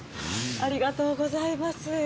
ありがとうございます。